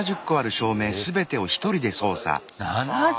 ７０！